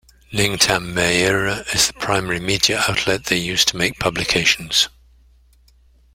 Ningtam Meira is the primary media outlet they use to make publications.